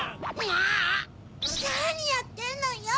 なにやってんのよ！